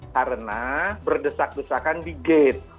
karena berdesak desakan di gate